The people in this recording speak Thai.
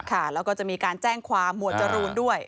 ค่ะแล้วก็จะมีการแจ้งความหมวดจรูนด้วย